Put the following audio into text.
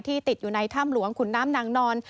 ติดอยู่ในถ้ำหลวงขุนน้ำนางนอน